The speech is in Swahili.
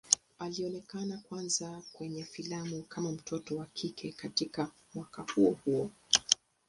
Alionekana kwanza kwenye filamu kama mtoto wa kike katika mwaka huo huo.